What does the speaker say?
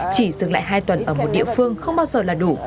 chỉ dừng lại hai tuần ở một địa phương không bao giờ là đủ